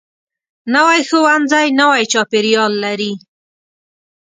نوی ښوونځی نوی چاپیریال لري